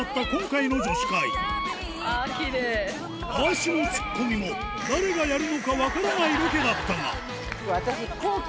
回しもツッコミも誰がやるのか分からないロケだったが私。